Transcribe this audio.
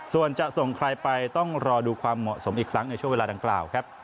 ส่วนจะส่งใครไปต้องรอดูความเหมาะสมอีกครั้งในช่วงเวลาดังกล่าวครับ